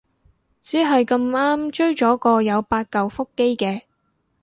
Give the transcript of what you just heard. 只係咁啱追咗個有八舊腹肌嘅